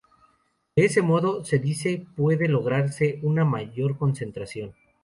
De ese modo, se dice, puede lograrse una mayor concentración.